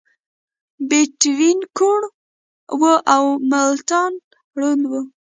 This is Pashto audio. بيتووين کوڼ و او ملټن ړوند و.